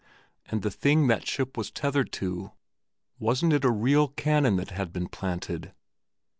And the thing that ship was tethered to—wasn't it a real cannon that they had planted?